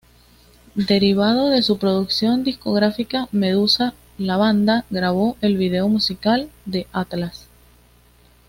Derivado de su producción discográfica Medusa, la banda grabó el video musical de "Atlas".